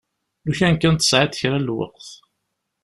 Lukan kan tesɛiḍ kra n lweqt.